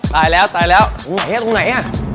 ตายแล้วตายแล้วอย่างที่ไหน